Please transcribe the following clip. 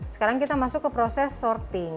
sekarang kita masuk ke proses sorting